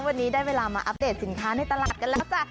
วันนี้ได้เวลามาอัปเดตสินค้าในตลาดกันแล้วจ้ะ